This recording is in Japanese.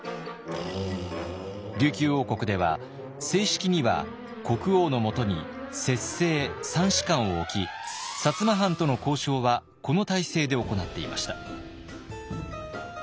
琉球王国では正式には国王のもとに摂政三司官を置き摩藩との交渉はこの体制で行っていました。